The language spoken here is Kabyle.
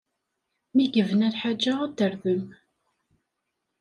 Mi yebna lḥaǧa ad tedrem.